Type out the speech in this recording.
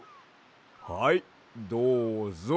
はいどうぞ。